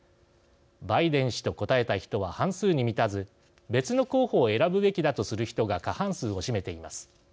バイデン氏と答えた人は半数に満たず別の候補を選ぶべきだとする人が過半数を占めています。